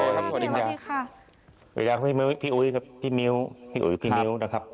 สวัสดีค่ะสวัสดีครับพี่อุ๋ยครับพี่มิวผู้หญิงอ่านพี่หมิวนะครับ